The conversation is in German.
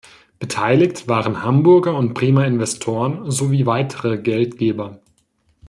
Beteiligt waren Hamburger und Bremer Investoren sowie weitere Geldgeber.